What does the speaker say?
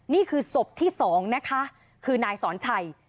นี่คือศพที่๒นะคะคือนายสอนชัย